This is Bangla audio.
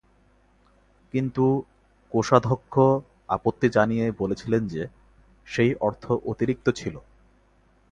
কিন্তু, কোষাধ্যক্ষ আপত্তি জানিয়ে বলেছিলেন যে, সেই অর্থ অতিরিক্ত ছিল।